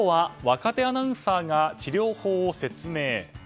若手アナウンサーが治療法を説明。